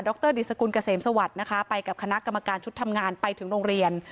รดิสกุลเกษมสวัสดิ์นะคะไปกับคณะกรรมการชุดทำงานไปถึงโรงเรียน